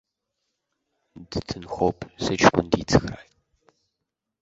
Дҭынхоуп, сыҷкәын дицхрааит.